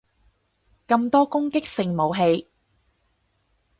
咁多攻擊性武器